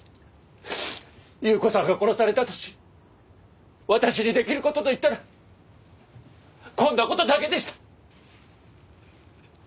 祐子さんが殺されたと知り私に出来る事といったらこんな事だけでした！